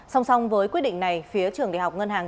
song song với quyết định này phía trường đại học ngân hàng